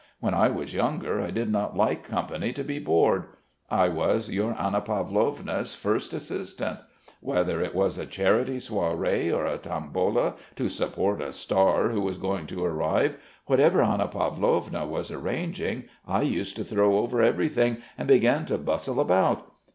When I was younger I did not like company to be bored.... I was your Anna Pavlovna's first assistant. Whether it was a charity soirée or a tombola to support a star who was going to arrive, whatever Anna Pavlovna was arranging, I used to throw over everything and begin to bustle about.